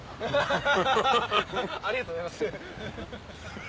ハハハありがとうございます。